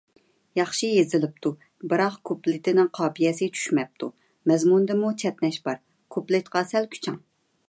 ياخشى يېزىلىپتۇ، بىراق كۇپلېتىنىڭ قاپىيەسى چۈشمەپتۇ. مەزمۇندىمۇ چەتنەش بار، كۇپلېتقا سەل كۈچەڭ.